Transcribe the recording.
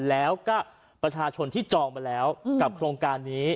แล้วก็ประชาชนที่จองมาแล้วกับโครงการนี้